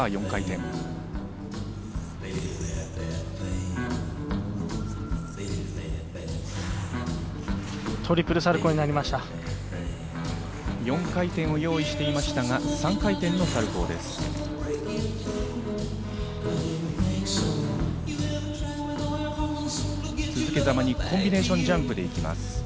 ４回転を用意していましたが３回転のサルコーです。